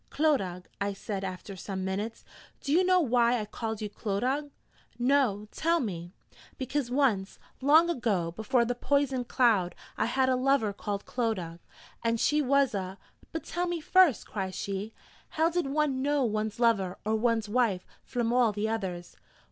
'Clodagh,' I said after some minutes 'do you know why I called you Clodagh?' 'No? Tell me?' 'Because once, long ago before the poison cloud, I had a lover called Clodagh: and she was a....' 'But tell me first,' cries she: 'how did one know one's lover, or one's wife, flom all the others?'